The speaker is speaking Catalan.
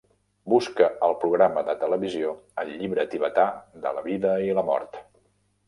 busca el programa de televisió El llibre tibetà de la vida i la mort